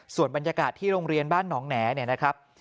ส่วนบรรยากาศที่โรงเรียนบ้านหนองแหน่เนี่ยนะครับ